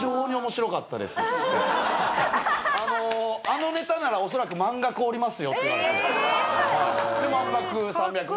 「あのネタなら恐らく満額おりますよ」って言われて。